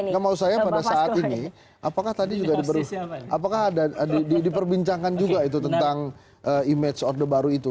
gak mau saya pada saat ini apakah tadi juga diperbincangkan juga itu tentang image orde baru itu